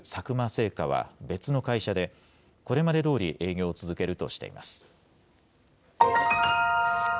製菓は別の会社で、これまでどおり営業を続けるとしています。